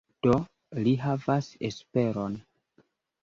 Do li havas esperon.